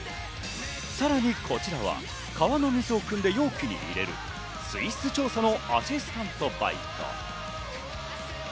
さらにこちらは川の水をくんで容器に入れる水質調査のアシスタントバイト。